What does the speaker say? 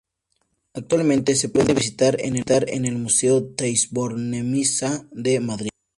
Actualmente se puede visitar en el Museo Thyssen-Bornemisza de Madrid.